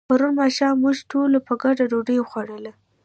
پرون ماښام موږ ټولو په ګډه ډوډۍ وخوړله.